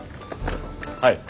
はい。